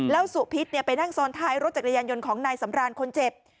แล้วสุพิษไปนั่งซ้อนท้ายรถจักรยานยนต์ของนายสำรานคนเจ็บ